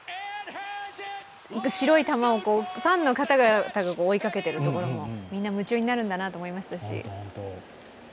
白い球をファンの方々が追いかけてるところもみんな夢中になるんだなと思いましたし。